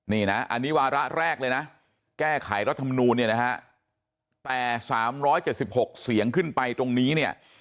นี่นะอันนี้วาระแรกเลยนะแก้ไขรัฐมนูลเนี่ยนะฮะแต่๓๗๖เสียงขึ้นไปตรงนี้เนี่ย